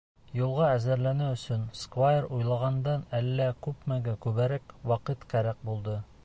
Юлға әҙерләнеү өсөн сквайр уйлағандан әллә күпмегә күберәк ваҡыт кәрәк булды.